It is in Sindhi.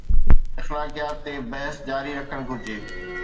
اخلاقيات تي بحث جاري رکڻ گهرجي.